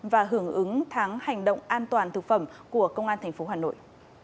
và hưởng ứng tháng hành động an toàn thực phẩm của công an tp hà nội